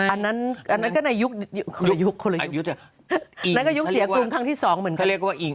อันนั้นก็ในยุคเสียกลุ่มทางที่สองเหมือนกัน